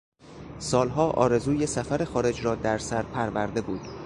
سالها آرزوی سفر خارج را در سر پرورده بود.